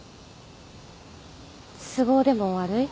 都合でも悪い？